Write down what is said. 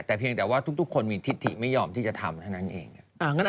แต่เพียงแต่ว่าทุกคนมีทิศถิไม่ยอมที่จะทำเท่านั้นเอง